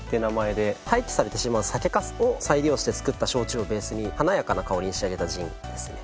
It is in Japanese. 廃棄されてしまう酒粕を再利用して造った焼酎をベースに華やかな香りに仕上げたジンですね。